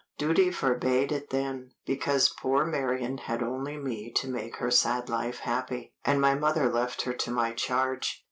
Duty forbade it then, because poor Marion had only me to make her sad life happy, and my mother left her to my charge.